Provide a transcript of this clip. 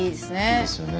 いいですよね。